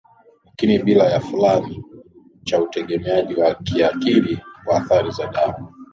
lakini bila yafulani cha utegemeaji wa kiakili kwa athari za dawa za